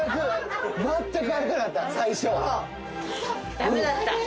・ダメだった？